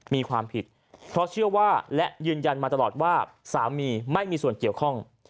มีความผิดเพราะเชื่อว่าและยืนยันมาตลอดว่าสามีไม่มีส่วนเกี่ยวข้อง